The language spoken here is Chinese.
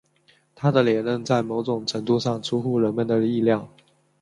他的连任在某种程度上出乎人们的意料。